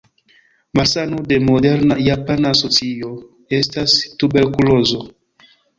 Malsano de moderna japana socio estas tuberkulozo.